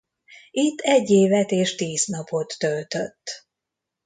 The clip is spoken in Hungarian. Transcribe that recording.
Itt egy évet és tíz napot töltött.